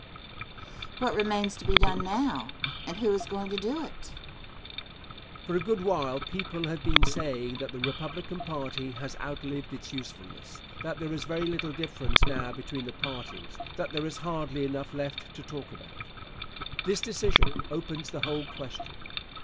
Question. What remains to be done now, and who is going to do it? Answer. For a good while people have been saying that the Republican party has outlived its usefulness; that there is very little difference now between the parties; that there is hardly enough left to talk about. This decision opens the whole question.